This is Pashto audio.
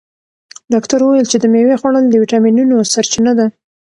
ډاکتر وویل چې د مېوې خوړل د ویټامینونو سرچینه ده.